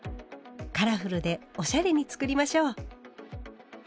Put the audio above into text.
カラフルでおしゃれに作りましょう。